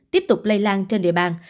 trên địa bàn